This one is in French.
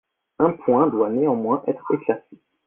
Un point doit néanmoins être éclairci.